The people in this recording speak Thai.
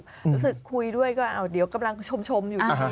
รู้สึกคุยด้วยก็เดี๋ยวกำลังชมอยู่